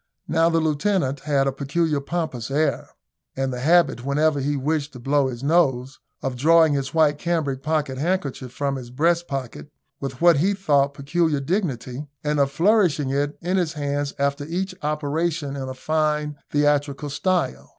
Now the lieutenant had a peculiarly pompous air, and the habit, whenever he wished to blow his nose, of drawing his white cambric pocket handkerchief from his breast pocket with what he thought peculiar dignity, and of flourishing it in his hand after each operation in a fine theatrical style.